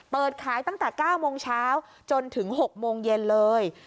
เปิดขายตั้งแต่๙โมงเช้าจนถึง๖โมงเย็นเลย